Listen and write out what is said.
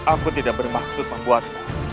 aku tidak bermaksud membuat